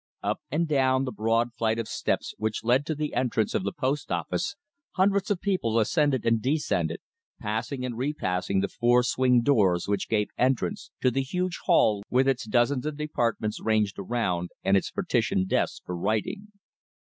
Up and down the broad flight of steps which led to the entrance of the Post Office hundreds of people ascended and descended, passing and re passing the four swing doors which gave entrance to the huge hall with its dozens of departments ranged around and its partitioned desks for writing.